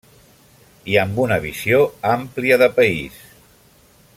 I amb una visió àmplia de país.